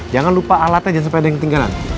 jangan lupa alatnya jangan sampai ada yang ketinggalan